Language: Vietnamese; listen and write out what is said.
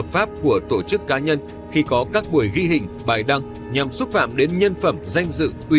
phạm tội chúng ta nghĩ rằng